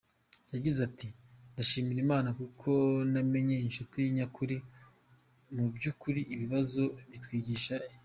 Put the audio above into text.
Yagize ati “Ndashimira Imana kuko namenye inshuti nyakuri, mu by’ukuri ibibazo bitwigisha byinshi.